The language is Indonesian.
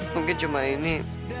mungkin cuma ini